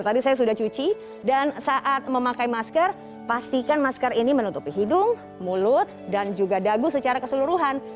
tadi saya sudah cuci dan saat memakai masker pastikan masker ini menutupi hidung mulut dan juga dagu secara keseluruhan